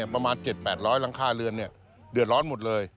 ประมาณ๗๘๐๐หลังคาเรือนเดือดร้อนหมดเลย